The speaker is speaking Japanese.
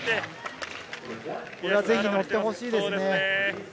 ぜひ乗ってほしいですね。